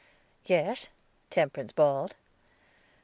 "Yes," Temperance bawled.